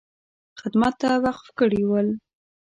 خدمت ته وقف کړي ول.